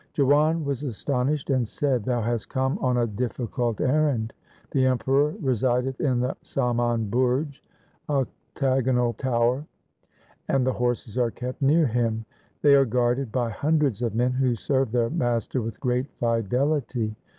Jiwan was astonished and said, ' Thou hast come on a difficult errand. The Emperor reside th in the Saman Burj — octagonal tower — and the horses are kept near him. They are guarded by hundreds of men who serve their master with great fidelity.